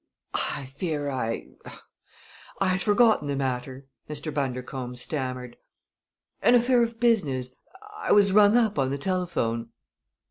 "I fear I er I had forgotten the matter," Mr. Bundercombe stammered. "An affair of business I was rung up on the telephone."